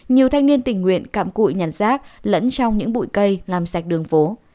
nhiều thanh niên tình nguyện cạm cụi nhặt rác lẫn trong những bụi cây làm sạch đường phố